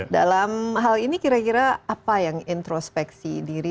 dalam hal ini kira kira apa yang introspeksi diri